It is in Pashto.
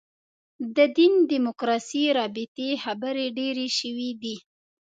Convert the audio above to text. د دین دیموکراسي رابطې خبرې ډېرې شوې دي.